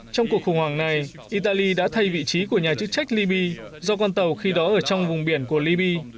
trong cuộc khủng hoảng này italy đã thay vị trí của nhà chức trách liby do con tàu khi đó ở trong vùng biển của libya